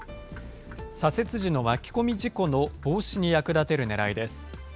左折時の巻き込み事故の防止に役立てるねらいです。